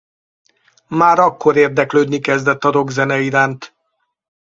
Már akkor érdeklődni kezdett a rockzene iránt.